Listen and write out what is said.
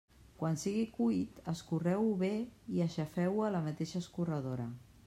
Quan sigui cuit, escorreu-ho bé i aixafeu-ho a la mateixa escorredora.